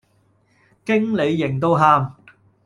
經理型到喊